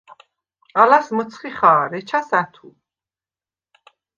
ალას მჷცხი ხა̄რ, ეჩას – ა̈თუ.